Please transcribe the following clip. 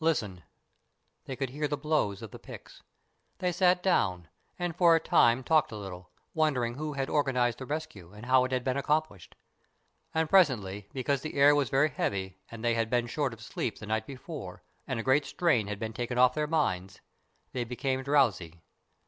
Listen !" They could hear the blows of the picks. They sat down, and for a time talked a little, wondering who had organized the rescue and how it had been accomplished. And presently, because the air was very heavy and they had been short of sleep the night before, and a great strain had been taken off their minds, they became drowsy.